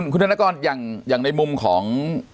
คุณธนกรอย่างในมุมของ